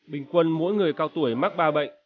bình quân mỗi người cao tuổi mắc ba bệnh